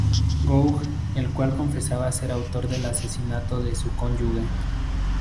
Gough, en la cual confesaba ser autor del asesinato de su cónyuge.